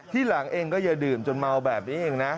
ที่หลังเองก็อย่าดื่มจนเมาแบบนี้เองนะ